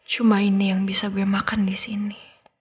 cuma ini yang bisa gue makan disini